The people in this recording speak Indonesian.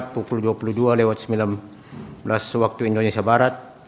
pukul dua puluh dua lewat sembilan belas waktu indonesia barat